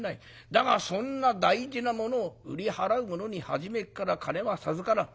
だがそんな大事なものを売り払う者に初めから金は授からん。